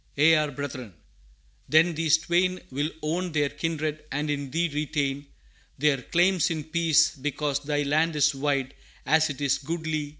ye are Brethren.' Then these twain Will own their kindred, and in Thee retain Their claims in peace, because Thy land is wide As it is goodly!